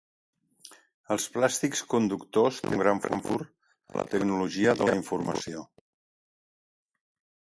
Els plàstics conductors tenen un gran futur en la tecnologia de la informació.